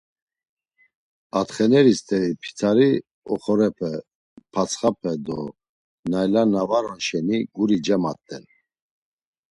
Atxeneri st̆eri p̌itsari oxorepe, patsxape do nayla na var on şeni, guri cemat̆en!